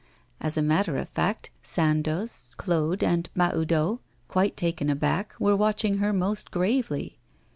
As a matter of fact, Sandoz, Claude, and Mahoudeau, quite taken aback, were watching her most gravely.